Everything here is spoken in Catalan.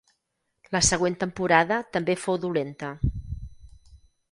La següent temporada també fou dolenta.